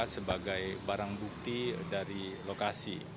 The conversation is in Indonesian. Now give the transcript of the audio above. sebagai barang bukti dari lokasi